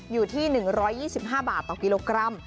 อยู่ที่๑๒๕บาทต่อกิโลกรัม